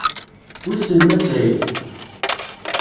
Wissen ma d tayri?